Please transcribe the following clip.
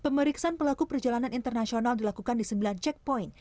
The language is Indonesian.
pemeriksaan pelaku perjalanan internasional dilakukan di sembilan checkpoint